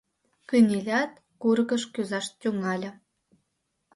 Кынелят, курыкыш кӱзаш тӱҥале.